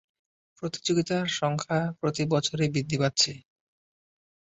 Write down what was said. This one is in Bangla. প্রতিযোগিতার সংখ্যা প্রতি বছরই বৃদ্ধি পাচ্ছে।